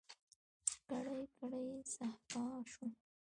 کړۍ، کړۍ صهبا شوم